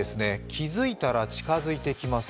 気付いたら近付いてきます。